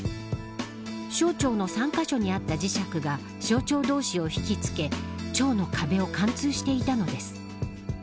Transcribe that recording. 小腸の３カ所にあった磁石が小腸同士を引き付け腸の壁を貫通していたのです。